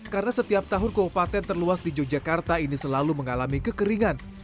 karena setiap tahun kawupaten terluas di yogyakarta ini selalu mengalami kekeringan